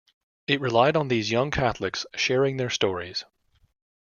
It relied on these young Catholics "sharing their stories".